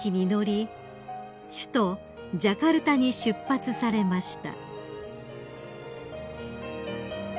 首都ジャカルタに出発されました］